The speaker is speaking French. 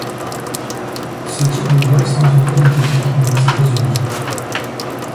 Ce type de glace ne vient pas d'Italie mais des États-Unis.